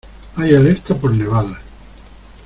Hay alerta por nevadas.